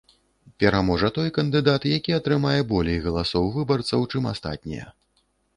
Пераможа той кандыдат, які атрымае болей галасоў выбарцаў, чым астатнія.